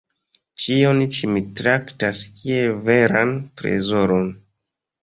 Ĉion ĉi mi traktas kiel veran trezoron.